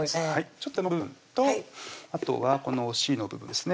ちょっとへたの部分とあとはこのお尻の部分ですね